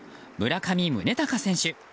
こと村上宗隆選手。